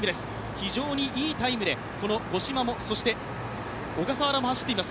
非常にいいタイムで、この五島も小笠原も走っています。